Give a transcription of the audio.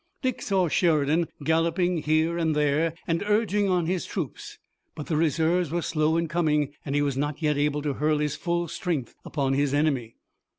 Dick saw Sheridan galloping here and there, and urging on his troops, but the reserves were slow in coming and he was not yet able to hurl his full strength upon his enemy.